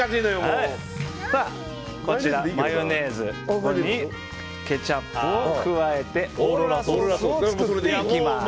こちらマヨネーズにケチャップを加えてオーロラソースを作っていきます。